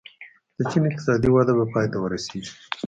د چین اقتصادي وده به پای ته ورسېږي.